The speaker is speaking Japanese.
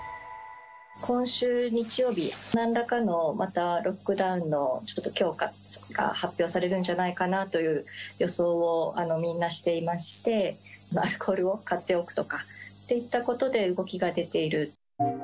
今週日曜日、なんらかのまた、ロックダウンの強化が発表されるんじゃないかなという予想をみんなしていまして、アルコールを買っておくとかといったことで動きが出ている。